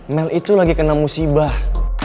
mel itu lagi kena musibah